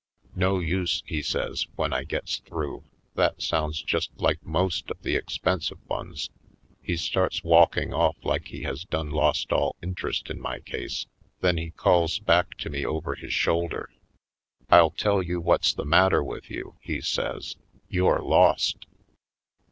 *'No use," he says, when I gets through, "that sounds just like most of the expensive ones." He starts walking off like he has done lost all interest in my case. Then he calls back to me over his shoulder : "I'll tell you what's the matter with you," he says; "you're lost."